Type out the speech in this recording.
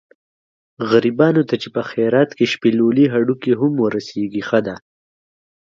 غریبانو ته چې په خیرات کې شپېلولي هډوکي هم ورسېږي ښه دي.